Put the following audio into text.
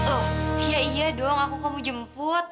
oh iya iya dong aku kamu jemput